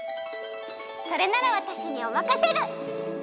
それならわたしにおまかシェル！